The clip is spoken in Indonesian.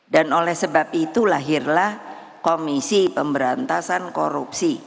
dan oleh sebab itu lahirlah komisi pemberantasan korupsi